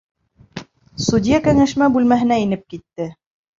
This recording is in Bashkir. ...Судья кәңәшмә бүлмәһенә инеп китте.